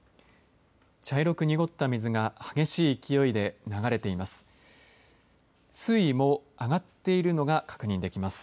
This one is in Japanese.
茶色く濁った水が激しい勢いで流れています。